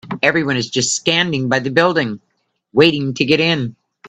Everyone is just standing by the building, waiting to get in.